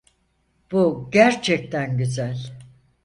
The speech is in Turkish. Bu gerçekten güzel.